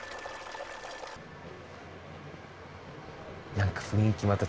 何か雰囲気また